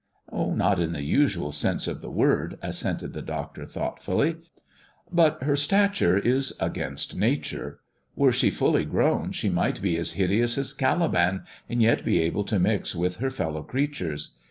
"Not in the usual sense of the word," assented the doctor thoughtfully; "but her stature is against Nature. Were she fully grown she might be as hideous as Caliban, and yet be able to mix with her fellow creatures.